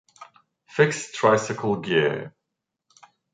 Fixed tricycle gear.